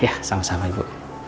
ya sama sama ibu